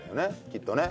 きっとね。